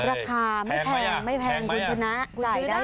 ราคาไม่แพงคุณชนะจ่ายได้เลย